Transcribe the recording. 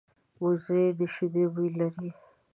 وزې د شیدو بوی لري